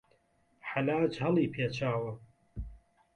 حەلاج هەڵی پێچاوە